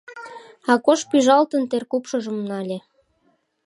Акош пӱжалтын, теркупшыжым нале.